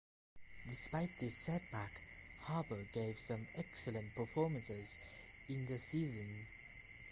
Despite this setback Harper gave some excellent performances in the season.